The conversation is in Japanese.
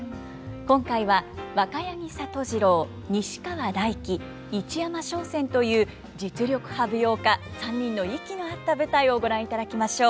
今回は若柳里次朗西川大樹市山松扇という実力派舞踊家３人の息の合った舞台をご覧いただきましょう。